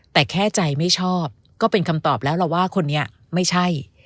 แต่แค่ใจไม่ชอบก็เป็นคำตอบแล้วล่ะว่าคนนี้ไม่ใช่